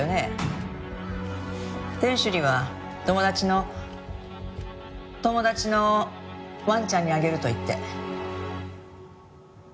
店主には友達の友達のワンちゃんにあげると言って。